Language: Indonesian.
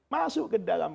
masuk ke dalam